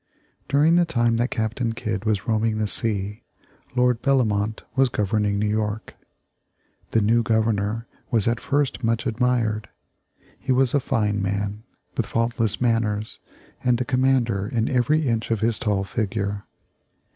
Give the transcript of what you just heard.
During the time that Captain Kidd was roaming the sea, Lord Bellomont was governing New York. [Illustration: Arrest of Captain Kidd.] The new Governor was at first much admired. He was a fine man, with faultless manners, and a commander in every inch of his tall figure.